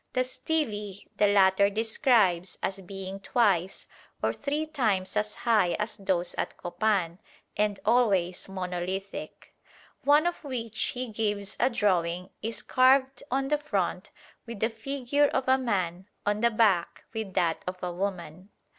The stelae the latter describes as being twice or three times as high as those at Copan, and always monolithic. One of which he gives a drawing is carved on the front with the figure of a man, on the back with that of a woman.